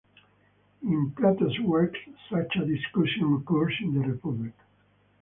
In Plato's works such a discussion occurs in the Republic.